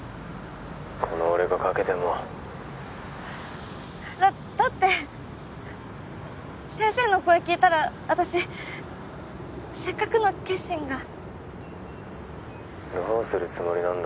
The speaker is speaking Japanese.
この俺がかけてもだだって先生の声聞いたら私せっかくの決心が☎どうするつもりなんだ？